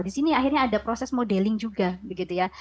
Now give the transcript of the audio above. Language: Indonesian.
di sini akhirnya ada proses modeling juga begitu ya